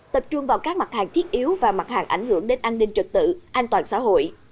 tập trung vào các mặt hàng thiết yếu và mặt hàng ảnh hưởng đến an ninh trực tự an toàn xã hội